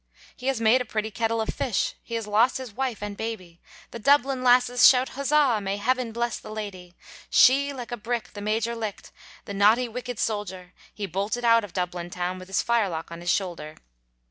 He has made a pretty kettle of fish, He has lost his wife and baby, The Dublin lasses shout huzza! May Heaven bless the lady; She like a brick the Major licked, The naughty wicked soldier, He bolted out of Dublin town, With his firelock on his shoulder.